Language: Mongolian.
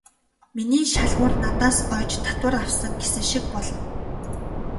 Миний шалгуур надаас оёж татвар авсан" гэсэн шиг болно.